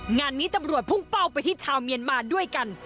งานนี้ตำรวจพุ่งเป้าไปที่ชาวเมียนมาด้วยกัน